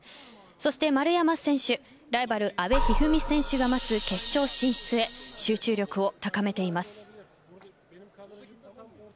そして丸山選手ライバル阿部一二三選手が待つ決勝進出へ集中力を高めています。